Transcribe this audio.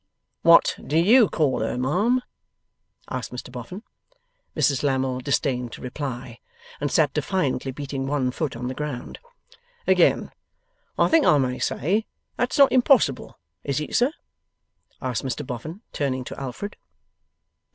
'What do YOU call her, ma'am?' asked Mr Boffin. Mrs Lammle disdained to reply, and sat defiantly beating one foot on the ground. 'Again I think I may say, that's not impossible. Is it, sir?' asked Mr Boffin, turning to Alfred.